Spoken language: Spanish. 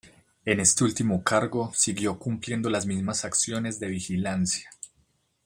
En este último cargo siguió cumpliendo las mismas acciones de vigilancia.